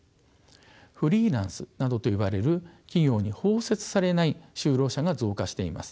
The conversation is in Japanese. フリーランスなどといわれる企業に包摂されない就労者が増加しています。